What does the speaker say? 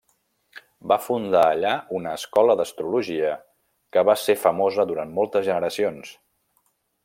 Va fundar allà una escola d'astrologia que va ser famosa durant moltes generacions.